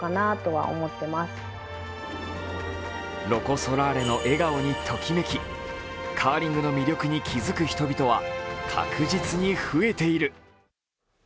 ロコ・ソラーレの笑顔にときめきカーリングの魅力に気付く人々は確実に増えている。